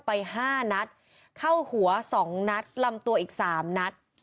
ไป๕นัดเข้าหัว๒นัดลำตัวอีก๓นัด